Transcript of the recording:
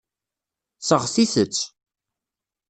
Seɣtit-tt.